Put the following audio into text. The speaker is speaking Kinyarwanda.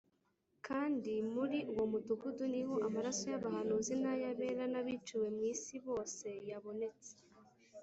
Kandi muri uwo mudugudu ni ho amaraso y’abahanuzi n’ay’abera n’abiciwe mu isi bose yabonetse.